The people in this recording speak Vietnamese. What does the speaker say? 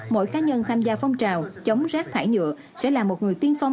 mỗi cá nhân tham gia phong trào chống rác thải nhựa sẽ là một người tiên phong